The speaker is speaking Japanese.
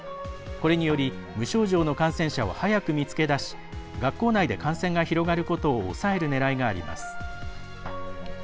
これにより無症状の感染者を早く見つけ出し学校内で感染が広がることを抑えるねらいがあります。